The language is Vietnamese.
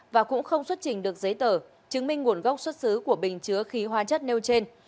và cũng không xuất trình được giấy tờ chứng minh nguồn gốc xuất xứ của bình chứa khí hóa chất nêu trên